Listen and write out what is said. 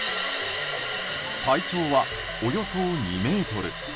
体長はおよそ２ｍ。